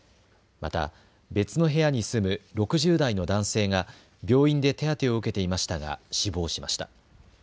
また別の部屋に住む６０代の男性が病院で手当てを受けていましたが死亡しました。